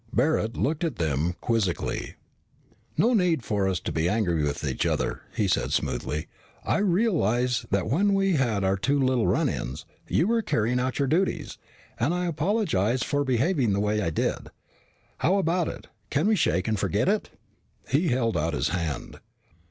Barret looked at them quizzically. "No need for us to be angry with each other," he said smoothly. "I realize that when we had our two little run ins you were carrying out your duties, and I apologize for behaving the way I did. How about it? Can we shake and forget it?" He held out his hand.